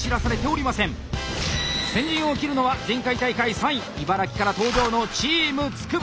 先陣を切るのは前回大会３位茨城から登場のチームつくば。